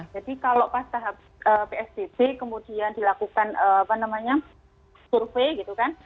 jadi kalau pas tahap psdb kemudian dilakukan apa namanya survei gitu kan